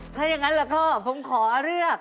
ถ้าอย่างนั้นแล้วก็ผมขอเลือก